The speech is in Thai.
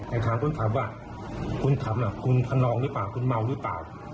แต่ถามคุณขับว่าคุณขับคุณขนองหรือเปล่าคุณเมาหรือเปล่า